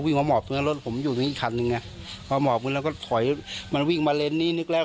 วิ่งมาหมอบเมืองรถผมอยู่ในอีกคันนึงไงมาหมอบเมืองเราก็ถอยมันวิ่งมาเล่นนี่นึกแล้ว